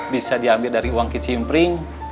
bisa diambil dari uang kicimpring